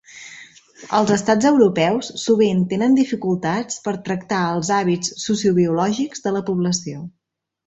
Els estats europeus sovint tenen dificultats per tractar els hàbits sociobiològics de la població.